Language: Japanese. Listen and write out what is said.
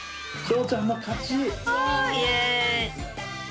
イエイ！